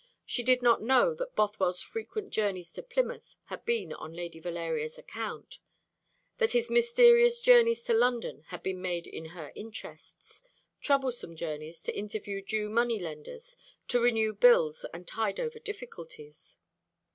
She did not know that Bothwell's frequent journeys to Plymouth had been on Lady Valeria's account; that his mysterious journeys to London had been made in her interests troublesome journeys to interview Jew money lenders, to renew bills and tide over difficulties.